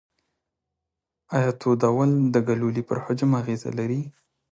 ایا تودول د ګلولې پر حجم اغیزه لري؟